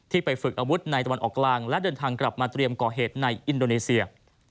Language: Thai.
ไปฝึกอาวุธในตะวันออกกลางและเดินทางกลับมาเตรียมก่อเหตุในอินโดนีเซีย